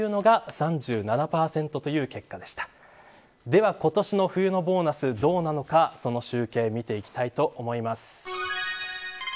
では、今年の冬のボーナスどうなのかその集計見ていきたいと思います。